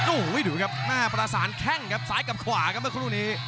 โอ้โหดูครับแม่ประสานแข้งครับซ้ายกับขวาครับเมื่อสักครู่นี้